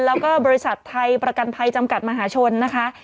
แล้วก็บริษัทไทยประกันภัยจำกัดมหาชนนะคะ